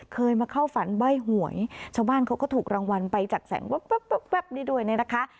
เคยมาเข้าฝันใบ้หวยชาวบ้านเขาก็ถูกรางวัลไปจากแสงแว๊บนี้ด้วยเนี่ยนะคะ